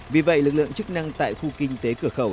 vì vậy lực lượng chức năng tại khu kinh tế cửa khẩu